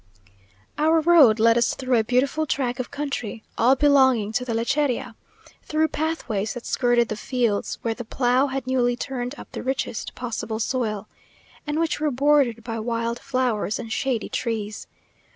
Our road led us through a beautiful track of country, all belonging to the Lecheria, through pathways that skirted the fields, where the plough had newly turned up the richest possible soil, and which were bordered by wild flowers and shady trees.